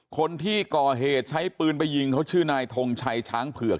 คนที่ก่อเหตุใช้ปืนไปยิงเขาชื่อนายทงชัยช้างเผือก